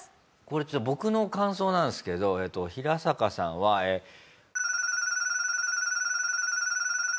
これちょっと僕の感想なんですけどヒラサカさんはえー人です。